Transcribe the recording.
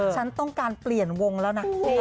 ฉันต้องการเปลี่ยนวงแล้วนะ